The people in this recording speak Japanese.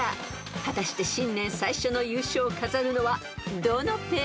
［果たして新年最初の優勝を飾るのはどのペア？］